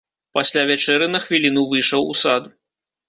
Пасля вячэры на хвіліну выйшаў у сад.